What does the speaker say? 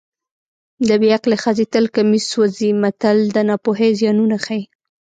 د بې عقلې ښځې تل کمیس سوځي متل د ناپوهۍ زیانونه ښيي